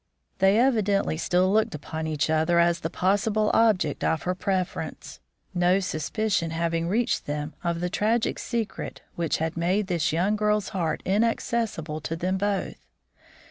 They evidently still looked upon each other as the possible object of her preference, no suspicion having reached them of the tragic secret which had made this young girl's heart inaccessible to them both.